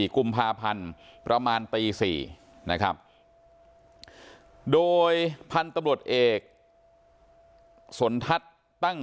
กุมภาพันธ์ประมาณตี๔นะครับโดยพันธุ์ตำรวจเอกสนทัศน์ตั้ง